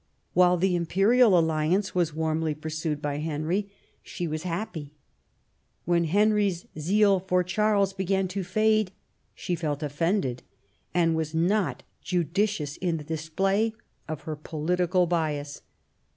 While the imperial alliance was wannly pursued by Henry she was happy ; when Henry's zeal for Charles began to fade she felt offended, and was not judicious in the display of her political bias.